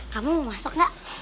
kamu mau masuk enggak